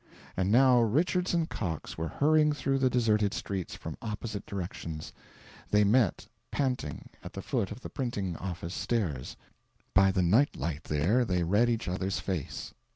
And now Richards and Cox were hurrying through the deserted streets, from opposite directions. They met, panting, at the foot of the printing office stairs; by the night light there they read each other's face.